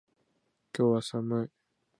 今日は寒い